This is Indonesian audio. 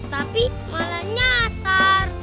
tapi malah nyasar